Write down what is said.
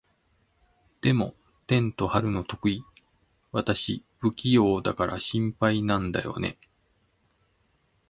でも、テント張るの得意？私、不器用だから心配なんだよね。